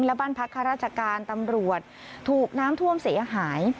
และบ้านพักข้าราชการตำรวจถูกน้ำท่วมเสียหาย